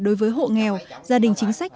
đối với hộ nghèo gia đình chính sách